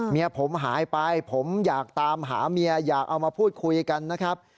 เมียผมหายไปผมอยากตามหาเมียอยากเอามาพูดคุยกันนะครับ